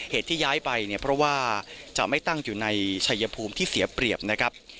เหตุที่ย้ายไปเนี่ยเพราะว่าจะไม่ตั้งอยู่ในชัยภูมิที่เสียเปรียบนะครับ